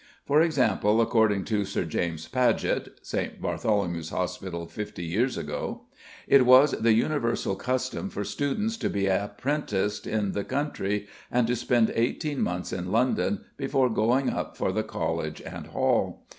For example, according to Sir James Paget ("St. Bartholomew's Hospital Fifty Years Ago"), it was the universal custom for students to be apprenticed in the country, and to spend eighteen months in London before going up for the College and Hall.